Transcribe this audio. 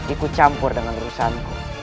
ikut campur dengan rusakanku